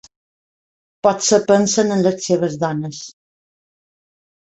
Potser pensen en les seves dones.